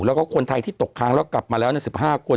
แล้วก็คนไทยที่ตกค้างแล้วกลับมาแล้ว๑๕คน